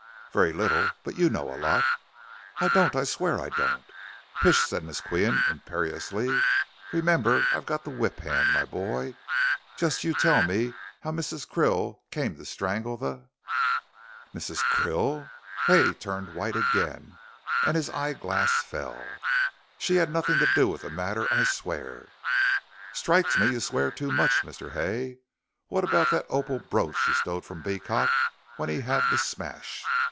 "Very little, but you know a lot." "I don't, I swear I don't." "Pish," said Miss Qian, imperiously, "remember I've got the whip hand, my boy. Just you tell me how Mrs. Krill came to strangle the " "Mrs. Krill?" Hay turned white again, and his eye glass fell. "She had nothing to do with the matter. I swear " "Strikes me you swear too much, Mr. Hay. What about that opal brooch you stole from Beecot when he had the smash?"